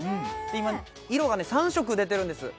今色がね３色出てるんです